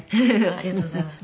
ありがとうございます。